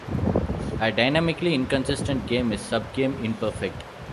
A dynamically inconsistent game is subgame imperfect.